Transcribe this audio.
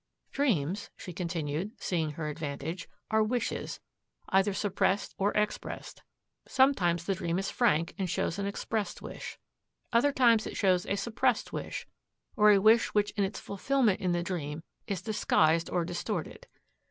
"Dreams," she continued, seeing her advantage, "are wishes, either suppressed or expressed. Sometimes the dream is frank and shows an expressed wish. Other times it shows a suppressed wish, or a wish which in its fulfilment in the dream is disguised or distorted.